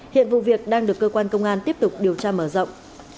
hiện vụ việc đang được cơ quan công an tiếp tục điều tra mở rộng